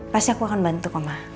pasti aku akan bantu koma